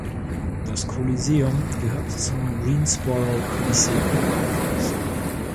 Das Coliseum gehört zum "Greensboro Coliseum Complex".